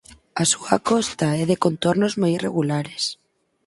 A súa costa é de contornos moi irregulares.